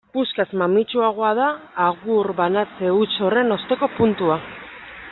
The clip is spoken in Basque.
Puskaz mamitsuagoa da agur banatze huts horren osteko puntua.